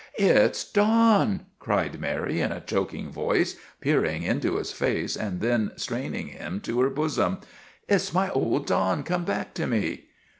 " It 's Don !" cried Mary in a choking voice, peer ing into his face and then straining him to her bosom. " It 's my old Don come back to me."